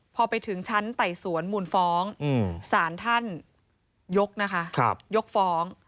พอไปถึงชั้นไต่สวนมูลฟ้องศาลท่านยกนะคะยกฟ้อง